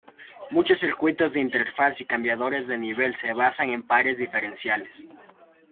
Muchos circuitos de interfaz y cambiadores de nivel se basan en pares diferenciales.